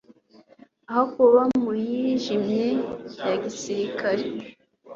aho kuba mu yijimye ya gisirikare,